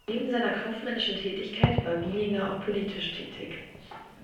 Neben seiner kaufmännischen Tätigkeit war Wieninger auch politisch tätig.